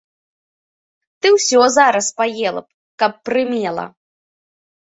Ты ўсё зараз паела б, каб прымела!